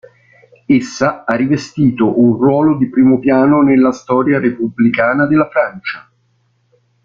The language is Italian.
Essa ha rivestito un ruolo di primo piano nella storia repubblicana della Francia.